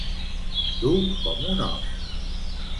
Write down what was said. Dur com un os.